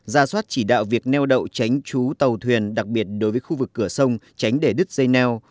ra soát chỉ đạo việc neo đậu tránh trú tàu thuyền đặc biệt đối với khu vực cửa sông tránh để đứt dây neo